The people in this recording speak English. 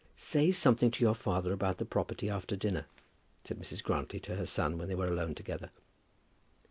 "Say something to your father about the property after dinner," said Mrs. Grantly to her son when they were alone together.